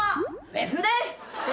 フェフです！